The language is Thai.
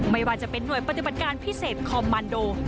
ไม่ว่าจะเป็นหน่วยปฏิบัติการพิเศษคอมมันโด